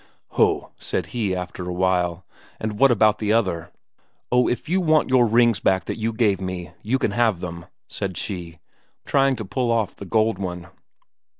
"Ho!" said he, after a while. "And what about the other?" "Oh, if you want your rings back that you gave me, you can have them," said she, trying to pull off the gold one.